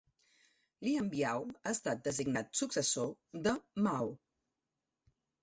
Lin Biao ha estat designat successor de Mao.